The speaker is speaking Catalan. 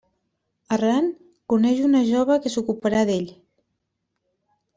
Errant, coneix una jove que s'ocuparà d'ell.